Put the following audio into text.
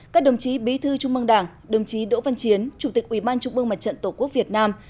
các đồng chí bí thư trung mương đảng đồng chí đỗ văn chiến chủ tịch ủy ban trung mương mặt trận tổ quốc việt nam